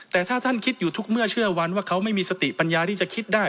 แต่ถ้าท่านคิดอยู่ทุกเมื่อเชื่อวันว่าเขาไม่มีสติปัญญาที่จะคิดได้